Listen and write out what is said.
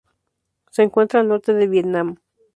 Se encuentra al norte del Vietnam.